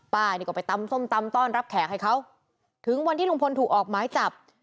นี่ก็ไปตำส้มตำต้อนรับแขกให้เขาถึงวันที่ลุงพลถูกออกหมายจับ